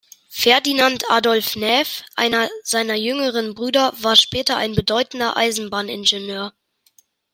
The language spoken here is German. Ferdinand Adolf Naeff, einer seiner jüngeren Brüder, war später ein bedeutender Eisenbahningenieur.